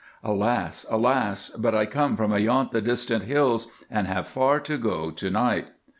Alas! alas! but I come from ayont the distant hills and have far to go to night.